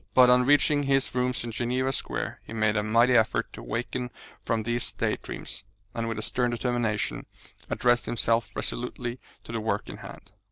But on reaching his rooms in Geneva Square he made a mighty effort to waken from these day dreams, and with a stern determination addressed himself resolutely to the work in hand.